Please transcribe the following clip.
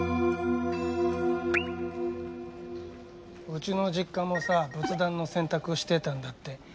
うちの実家もさ仏壇の洗濯してたんだって。